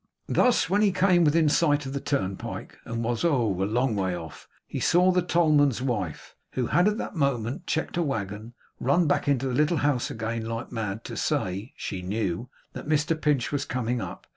Thus when he came within sight of the turnpike, and was oh a long way off! he saw the tollman's wife, who had that moment checked a waggon, run back into the little house again like mad, to say (she knew) that Mr Pinch was coming up.